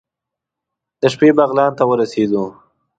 د شپې بغلان ته ورسېدو.